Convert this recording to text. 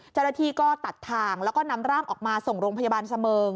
จรฐีก็ตัดทางแล้วก็นำร่างออกมาส่งโรงพยาบาลเสมอ